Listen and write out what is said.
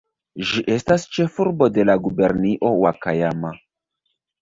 Ĝi estas ĉefurbo de la gubernio Ŭakajama.